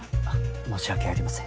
申し訳ありません。